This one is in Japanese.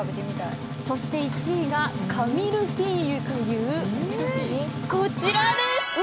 そして１位が神ルフィーユというこちらです。